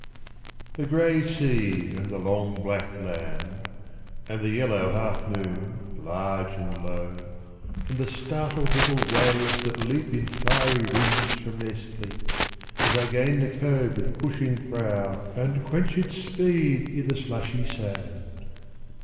The gray sea and the long black land; And the yellow half moon large and low; And the startled little waves that leap In fiery ringlets from their sleep, As I gain the cove with pushing prow, And quench its speed i' the slushy sand.